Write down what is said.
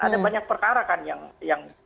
ada banyak perkara kan yang belum terlalu